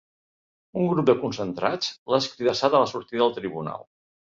Un grup de concentrats l’ha escridassat a la sortida del tribunal.